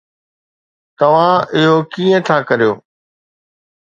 توهان اهو ڪيئن ٿا ڪريو؟